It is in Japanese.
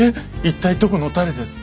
一体どこの誰です？」。